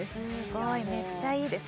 すごいめっちゃいいです